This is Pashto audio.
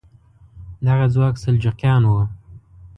دغه ځواک سلجوقیان وو.